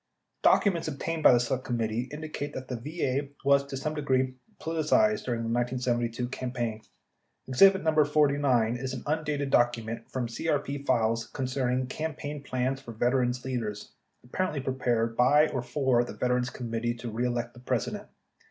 Documents obtained by the Select Committee indicate that the VA was, to some degree, politicized during the 1972 campaign. Exhibit No. 49 57 is an undated document from CRP files concerning "Cam paign Plans for Veterans' Leaders" apparently prepared by or for the Veterans Committee To Re Elect the President.